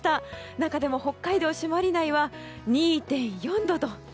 中でも北海道の朱鞠内は２．４度。